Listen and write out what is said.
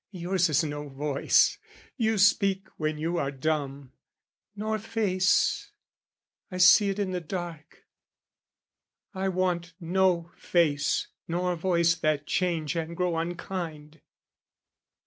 "Yours is no voice; you speak when you are dumb; "Nor face, I see it in the dark. I want "No face nor voice that change and grow unkind."